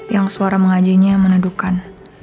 yang suara mengajinya menedukan